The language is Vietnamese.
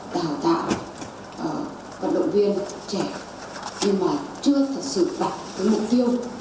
tạo tạo vận động viên trẻ nhưng mà chưa thật sự đạt được mục tiêu